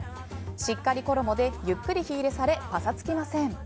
しっかり衣でゆっくり火入れされパサつきません。